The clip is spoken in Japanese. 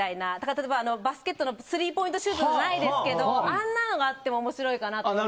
例えば、バスケットのスリーポイントシュートじゃないですけどあんなのがあっても面白いかなと思います。